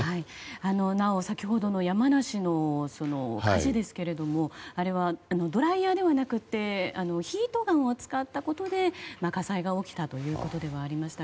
なお、先ほどの山梨の火事ですがあれはドライヤーではなくてヒートガンを使ったことで火災が起きたということではありましたが。